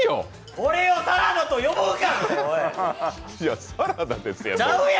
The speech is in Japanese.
これをサラダと呼ぶんか！